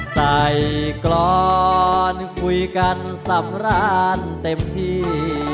กรอนคุยกันสับร้านเต็มที่